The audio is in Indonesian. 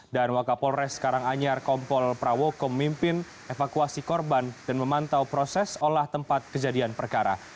dan wakapolres karanganyar kompol prawokom mimpin evakuasi korban dan memantau proses olah tempat kejadian perkara